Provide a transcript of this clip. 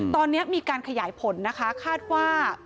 ตอนนี้มีการขยายผลนะคะคาดว่า